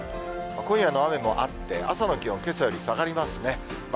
今夜の雨もあって、朝の気温、けさより下がりますね。